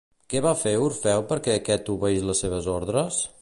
Què va fer Orfeu perquè aquest obeís les seves ordres?